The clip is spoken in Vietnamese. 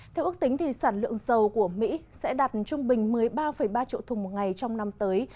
theo ước tính sản lượng dầu của mỹ sẽ đạt trung bình một mươi ba ba triệu thùng một ngày trong năm tới